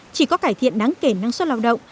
chỉ có cải thiện đáng kể năng suất lao động